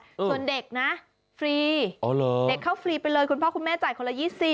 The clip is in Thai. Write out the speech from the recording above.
ส่วนเด็กนะฟรีเด็กเข้าฟรีไปเลยคุณพ่อคุณแม่จ่ายคนละ๒๐